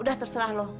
udah terserah lo